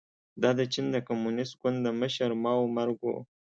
دا د چین د کمونېست ګوند د مشر ماوو مرګ و.